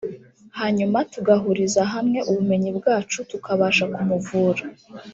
hanyuma tugahuriza hamwe ubumenyi bwacu tukabasha kumuvura